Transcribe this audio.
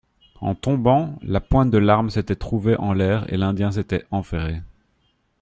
En tombant, la pointe de l'arme s'était trouvée en l'air et l'Indien s'était enferré.